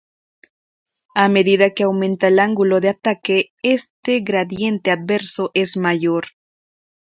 A medida que aumenta el ángulo de ataque este gradiente adverso es mayor.